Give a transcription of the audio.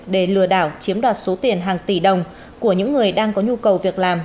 để lừa đảo chiếm đoạt số tiền hàng tỷ đồng của những người đang có nhu cầu việc làm